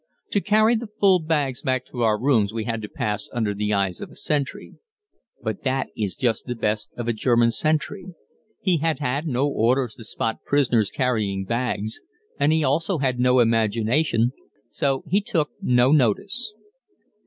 To carry the full bags back to our rooms we had to pass under the eyes of a sentry. But that is just the best of a German sentry. He had had no orders to spot prisoners carrying bags, and he had also no imagination, so he took no notice.